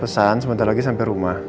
dan sebentar lagi sampai rumah